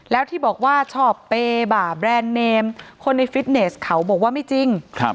แล้วที่บอกว่าชอบเปบ่าแบรนด์เนมคนในฟิตเนสเขาบอกว่าไม่จริง